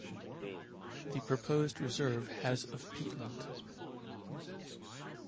The proposed reserve has of peatland.